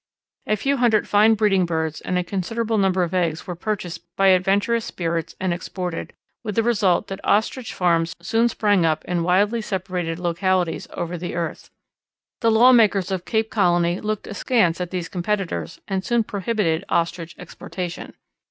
A few hundred fine breeding birds and a considerable number of eggs were purchased by adventurous spirits and exported, with the result that Ostrich farms soon sprang up in widely separated localities over the earth. The lawmakers of Cape Colony looked askance at these competitors and soon prohibited Ostrich exportation.